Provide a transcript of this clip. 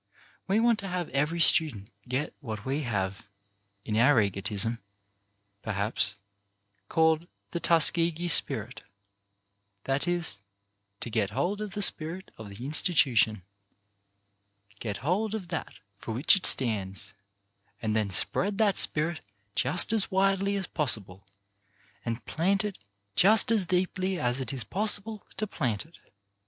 We want to have every student get what we have — in our egotism, perhaps— called the "Tuskegee spirit"; that is, to get hold of the spirit of the institution, get hold of that for which it stands; and then spread that spirit just as widely as possible, and plant it just as deeply as it is possible to plant it.